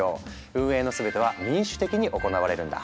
運営の全ては民主的に行われるんだ。